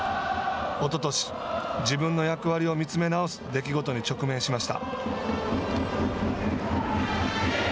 おととし自分の役割を見つめ直す出来事に直面しました。